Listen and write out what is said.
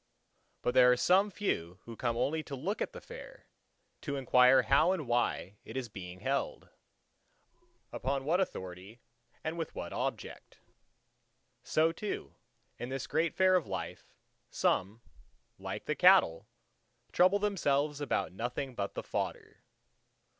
But there are some few who come only to look at the fair, to inquire how and why it is being held, upon what authority and with what object. So too, in this great Fair of life, some, like the cattle, trouble themselves about nothing but the fodder.